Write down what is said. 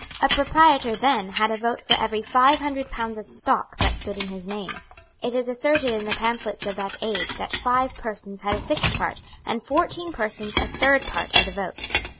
A proprietor then had a vote for every five hundred pounds of stock that stood in his name. It is asserted in the pamphlets of that age that five persons had a sixth part, and fourteen persons a third part of the votes.